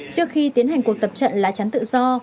trước khi tiến hành cuộc tập trận lá chắn tự do